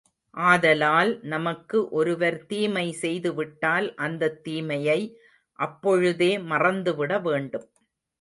ஆதலால் நமக்கு ஒருவர் தீமை செய்துவிட்டால் அந்தத் தீமையை அப்பொழுதே மறந்துவிட வேண்டும்.